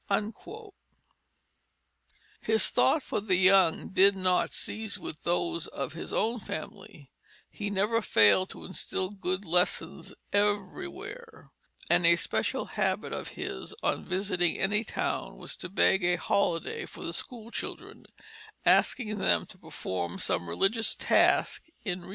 His thought for the young did not cease with those of his own family; he never failed to instil good lessons everywhere; and a special habit of his on visiting any town was to beg a holiday for the school children, asking them to perform some religious task in return.